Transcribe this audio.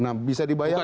nah bisa dibayangkan